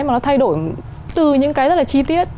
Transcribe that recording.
mà nó thay đổi từ những cái rất là chi tiết